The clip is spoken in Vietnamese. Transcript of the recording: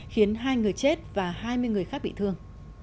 khiến hai người chết và hai mươi người khác bị thương